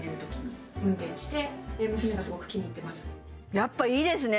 やっぱいいですね